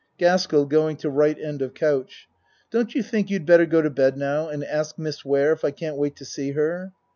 GASKELL (Going to R. end of couch.) Don't you think you had better go to bed now and ask Miss Ware, if I can't wait to see her?